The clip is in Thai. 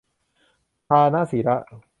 ทานะสีละ